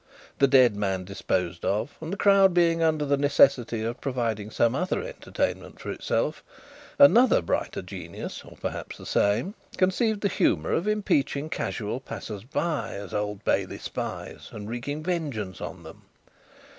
The dead man disposed of, and the crowd being under the necessity of providing some other entertainment for itself, another brighter genius (or perhaps the same) conceived the humour of impeaching casual passers by, as Old Bailey spies, and wreaking vengeance on them.